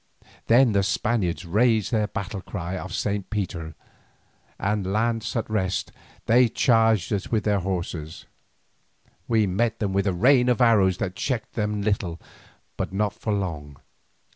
Then the Spaniards raised their battle cry of Saint Peter, and lance at rest, they charged us with their horse. We met them with a rain of arrows that checked them a little, but not for long.